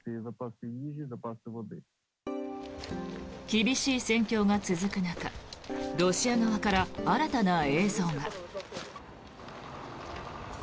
厳しい戦況が続く中ロシア側から新たな映像が。